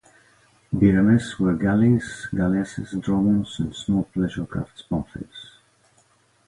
Biremes were galleys, galleasses, dromons, and small pleasure crafts pamphyles.